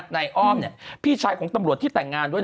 นายอ้อมพี่ชายของตำรวจที่แต่งงานด้วย